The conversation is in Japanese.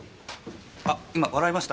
あ今笑いました？